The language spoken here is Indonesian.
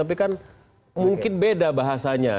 tapi kan mungkin beda bahasanya